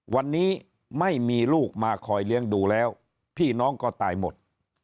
วันนี้ไม่มีลูกมาคอยเลี้ยงดูแล้วพี่น้องก็ตายหมด